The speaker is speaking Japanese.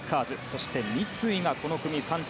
そして三井がこの組、３着。